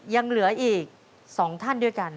ยังเหลืออีก๒ท่านด้วยกัน